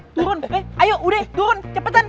turun ayo udah turun cepatan